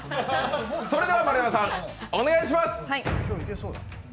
それでは丸山さん、お願いします！